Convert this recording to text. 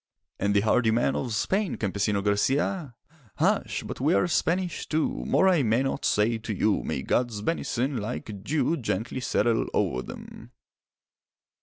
'And the hardy men of Spain, Campesino Garcia?' 'Hush! but we are Spanish too; More I may not say to you: May God's benison, like dew, Gently settle o'er them.